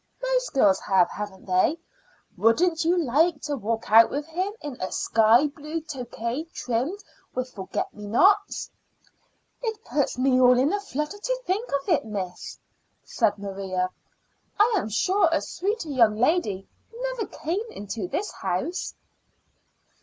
Most girls have, haven't they? Wouldn't you like to walk out with him in a sky blue toque trimmed with forget me nots?" "It puts me all in a flutter to think of it, miss," said Maria. "I am sure a sweeter young lady never came into this house."